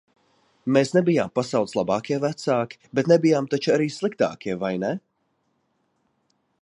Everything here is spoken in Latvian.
Mēs nebijām pasaules labākie vecāki, bet nebijām taču arī sliktākie, vai ne?